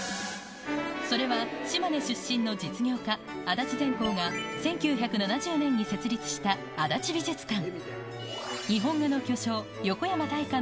それは、島根出身の実業家、足立全康が１９７０年に設立した足立美術館。